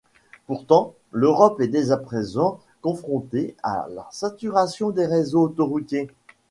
Pourtant, l'Europe est dès à présent confrontée à la saturation des réseaux autoroutiers.